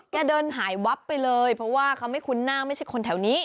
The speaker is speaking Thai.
เดินหายวับไปเลยเพราะว่าเขาไม่คุ้นหน้าไม่ใช่คนแถวนี้